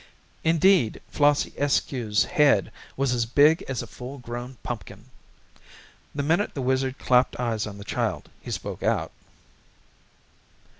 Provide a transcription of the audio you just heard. Indeed, Flossie Eskew's head was as big as a full grown pumpkin. The minute the wizard clapped eyes on the child he spoke out.